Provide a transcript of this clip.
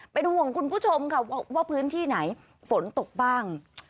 เป็นห่วงคุณผู้ชมค่ะว่าพื้นที่ไหนฝนตกบ้าง